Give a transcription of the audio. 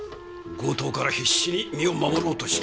「強盗から必死に身を守ろうとした」。